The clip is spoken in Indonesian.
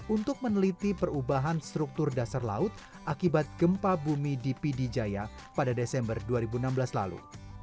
untuk meneliti perubahan struktur dasar laut akibat gempa bumi di pidijaya pada desember dua ribu enam belas lalu